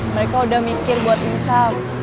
mereka udah mikir buat insan